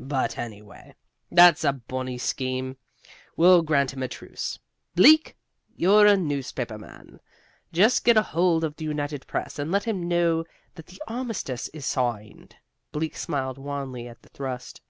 But anyway, that's a bonny scheme. We'll grant him a truce. Bleak, you're a newspaper man, just get hold of the United Press and let them know the armistice is signed." Bleak smiled wanly at the thrust.